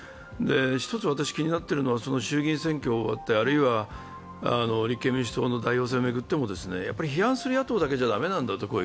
私気になっているのは衆議院選挙終わってあるいは立憲民主党の代表選を巡っても、批判する野党だけじゃ駄目なんだと。